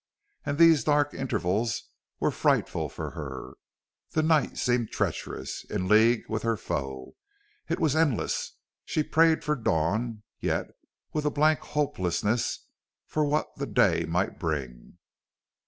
And these dark intervals were frightful for her. The night seemed treacherous, in league with her foe. It was endless. She prayed for dawn yet with a blank hopelessness for what the day might bring.